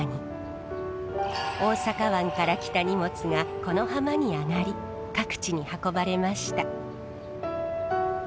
大阪湾から来た荷物がこの浜に揚がり各地に運ばれました。